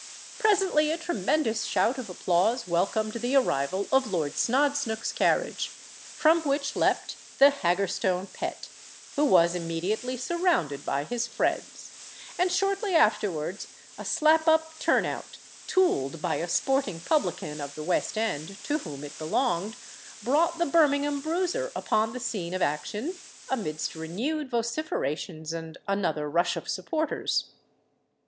Presently a tremendous shout of applause welcomed the arrival of Lord Snodsnook's carriage, from which leapt the Haggerstone Pet, who was immediately surrounded by his friends; and shortly afterwards a "slap up turn out," "tooled" by a sporting publican of the West End, to whom it belonged, brought the Birmingham Bruiser upon the scene of action, amidst renewed vociferations and another rush of supporters.